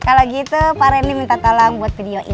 kalau gitu pak rendy minta tolong buat video ini